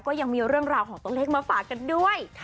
ก็ยังมีเรื่องราวของตัวเลขมาฝากกันด้วย